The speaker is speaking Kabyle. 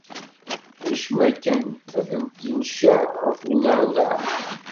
Acemma kan ad tenceɛ ɣef uneɛneɛ.